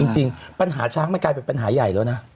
จริงปัญหาช้างมันกลายเป็นปัญหาใหญ่แล้วนะ